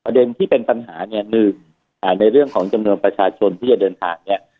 ที่เป็นปัญหาเนี่ยหนึ่งในเรื่องของจำนวนประชาชนที่จะเดินทางเนี่ย